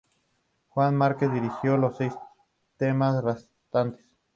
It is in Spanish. Juan Márquez dirigió los seis temas restantes.